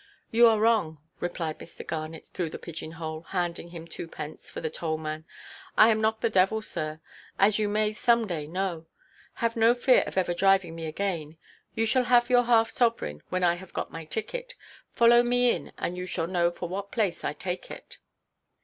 "You are wrong," replied Mr. Garnet through the pigeon–hole, handing him twopence for the tollman; "I am not the devil, sir; as you may some day know. Have no fear of ever driving me again. You shall have your half–sovereign when I have got my ticket. Follow me in, and you shall know for what place I take it."